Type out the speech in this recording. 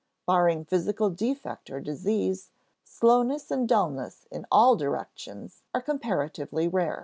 Barring physical defect or disease, slowness and dullness in all directions are comparatively rare.